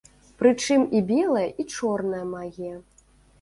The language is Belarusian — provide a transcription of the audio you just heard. Прычым і белая, і чорная магія.